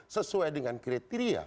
sesuai dengan kriteria